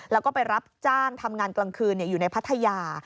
แล้วก็ไปรับจ้างทำงานกลางคืนอยู่ในพัทยา